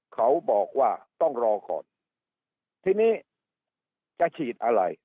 เขาบอกว่าต้องรอก่อนทีนี้จะฉีดอะไร